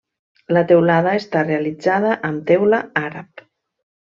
La teulada està realitzada amb teula àrab.